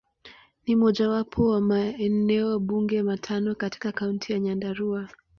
Ni mojawapo wa maeneo bunge matano katika Kaunti ya Nyandarua.